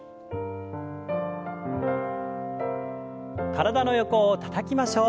体の横をたたきましょう。